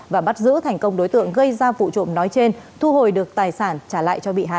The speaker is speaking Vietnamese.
và bắt giữ thành công đối tượng gây ra vụ trộm nói trên thu hồi được tài sản trả lại cho bị hại